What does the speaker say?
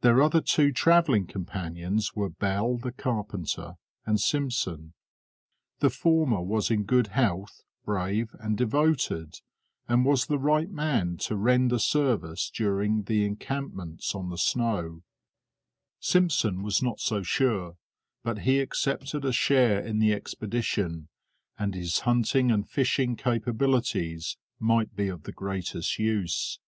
Their other two travelling companions were Bell the carpenter and Simpson. The former was in good health, brave and devoted, and was the right man to render service during the encampments on the snow; Simpson was not so sure, but he accepted a share in the expedition, and his hunting and fishing capabilities might be of the greatest use.